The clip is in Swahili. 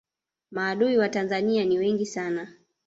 maadui wa tanzania ni wengi sana